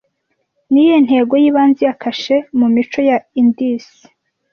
Niyihe ntego y'ibanze ya kashe mumico ya Indus